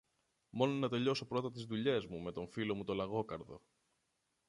Μόνο να τελειώσω πρώτα τις δουλειές μου με το φίλο μου τον Λαγόκαρδο.